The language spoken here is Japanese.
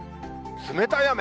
冷たい雨。